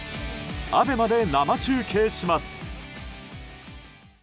ＡＢＥＭＡで生中継します。